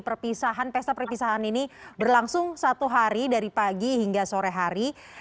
perpisahan pesta perpisahan ini berlangsung satu hari dari pagi hingga sore hari